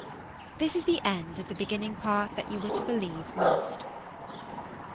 This is the end of the beginning part that you were to believe most.